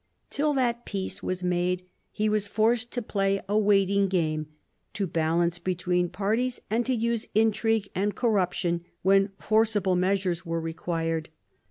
Till that peace was made he was forced to play a wait ing game, to balance between parties, and to use intrigue and corruption when forcible measures were required.